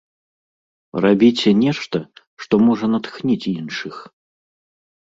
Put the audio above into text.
Рабіце нешта, што можа натхніць іншых.